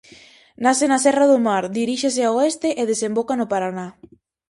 Nace na serra do Mar, diríxese ao oeste e desemboca no Paraná.